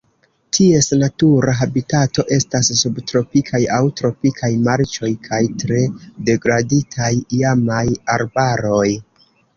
Ties natura habitato estas subtropikaj aŭ tropikaj marĉoj kaj tre degraditaj iamaj arbaroj.